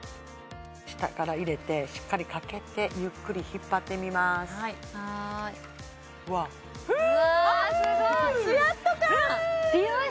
下から入れてしっかりかけてゆっくり引っ張ってみますわっフ！わすごいツヤっと感！